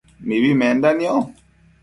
mibi menda nio